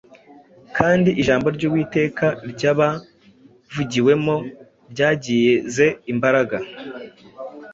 kandi ijambo ry’Uwiteka ryabavugiwemo ryagize imbaraga